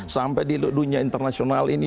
sampai di dunia internasional ini